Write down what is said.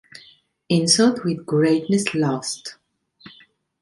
insult, with greatness lost